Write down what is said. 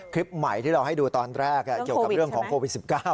คลิปใหม่ที่เราให้ดูตอนแรกเกี่ยวกับเรื่องของโควิด๑๙